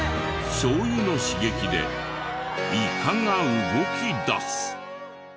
しょう油の刺激でイカが動き出す。